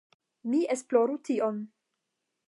mi esploru tion.